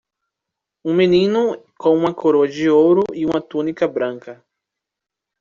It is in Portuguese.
Um menino com uma coroa de ouro e uma túnica branca.